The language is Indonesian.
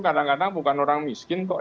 kadang kadang bukan orang miskin kok